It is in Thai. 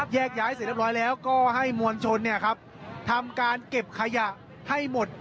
แยกย้ายเสร็จเรียบร้อยแล้วก็ให้มวลชนทำการเก็บขยะให้หมด